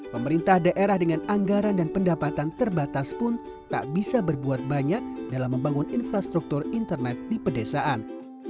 pemerintah daerah dengan anggaran dan pendapatan terbatas pun tak bisa berbuat banyak dalam membangun infrastruktur internet di pedesaan